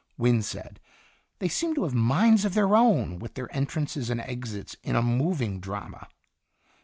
Wynne said: " They seem to have minds of their own, with their entrances and exits in a moving drama."